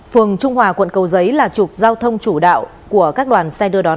phường trung hòa quận cầu giấy là trục giao thông chủ đạo của các đoàn xe đưa đón